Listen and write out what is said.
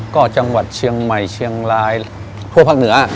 ก็จังหวัดเชียงใหม่เชียงรายทั่วภาคเหนือ